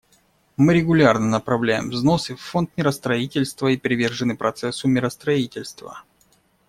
Мы регулярно направляем взносы в Фонд миростроительства и привержены процессу миростроительства.